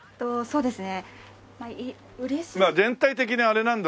そうですね。